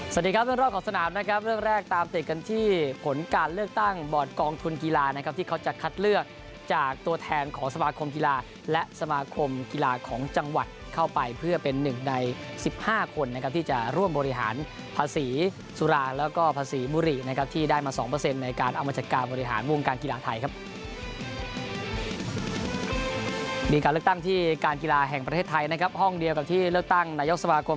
สวัสดีครับด้านรอบของสนามนะครับเริ่มแรกตามติดกันที่ผลการเลือกตั้งบอร์ดกองทุนกีฬานะครับที่เขาจะคัดเลือกจากตัวแทนของสมาคมกีฬาและสมาคมกีฬาของจังหวัดเข้าไปเพื่อเป็นหนึ่งในสิบห้าคนนะครับที่จะร่วมบริหารภาษีสุราคมแล้วก็ภาษีบุรีนะครับที่ได้มาสองเปอร์เซ็นต์ในการอำจัดการบริหาร